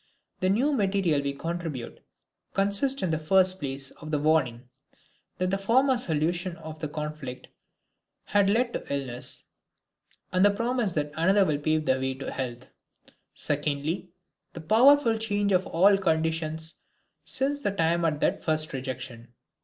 The new material we contribute consists in the first place of the warning, that the former solution of the conflict had led to illness, and the promise that another will pave the way to health; secondly, the powerful change of all conditions since the time of that first rejection.